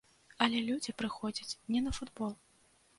Але людзі прыходзяць не на футбол.